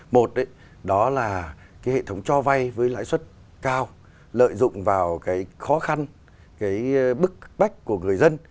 một đó là hệ thống cho vay với lãi suất cao lợi dụng vào khó khăn bức bách của người dân